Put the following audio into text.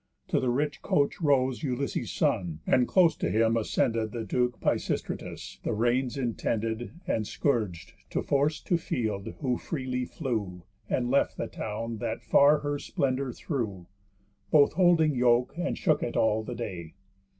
To the rich coach rose Ulysses' son, and close to him ascended The duke Pisistratus, the reins intended, And scourg'd, to force to field, who freely flew; And left the town that far her splendour threw, Both holding yoke, and shook it all the day.